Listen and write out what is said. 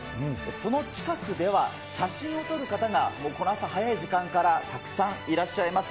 その近くでは写真を撮る方が、この朝、早い時間からたくさんいらっしゃいます。